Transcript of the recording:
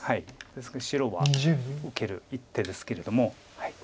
ですから白は受ける一手ですけれども。